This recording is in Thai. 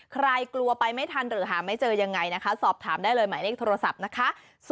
กลัวไปไม่ทันหรือหาไม่เจอยังไงนะคะสอบถามได้เลยหมายเลขโทรศัพท์นะคะ